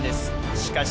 しかし。